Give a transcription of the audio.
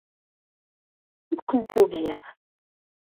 Ur kent-ugiɣ.